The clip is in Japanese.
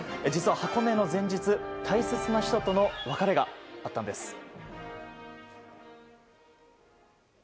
実は箱根の前日大切な人との別れがあったんです。